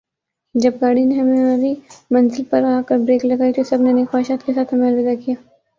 جب گاڑی نے ہماری منزل پر آ کر بریک لگائی تو سب نے نیک خواہشات کے ساتھ ہمیں الوداع کیا